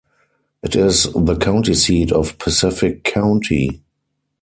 It is the county seat of Pacific County.